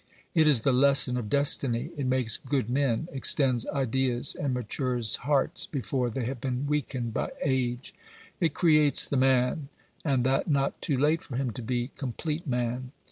It is the lesson of destiny ; it makes good men, extends ideas and matures hearts before they have been weakened by age ; it creates the man, and that not too late for him to be complete man.